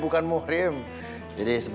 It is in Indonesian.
kira kira dia closely